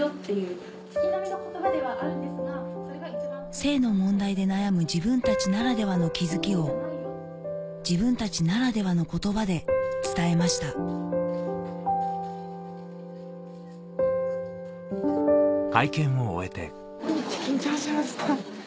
性の問題で悩む自分たちならではの気付きを自分たちならではの言葉で伝えました緊張しました。